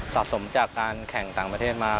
สะสมจากการแข่งต่างประเทศมา